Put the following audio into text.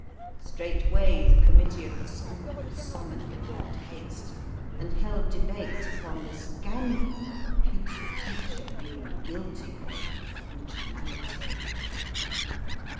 Straightway the committee of the school was summoned in hot haste, and held debate upon the scandal of a pupil teacher being guilty of originality.